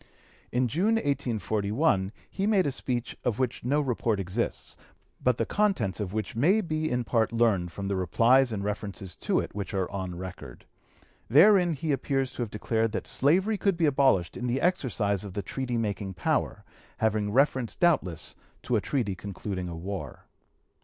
In June, 1841, he made a speech of which no report exists, but the contents of which may be in part learned from the replies and references to it which are on record. Therein he appears to have declared that slavery could be abolished in the exercise of the treaty making power, having reference doubtless to a treaty concluding a war.